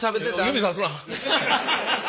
指さすな。